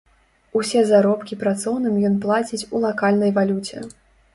Усе заробкі працоўным ён плаціць у лакальнай валюце.